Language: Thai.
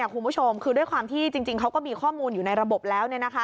คุณผู้ชมคือด้วยความที่จริงเขาก็มีข้อมูลอยู่ในระบบแล้ว